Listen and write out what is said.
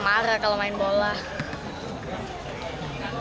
nggak pernah marah kalau main bola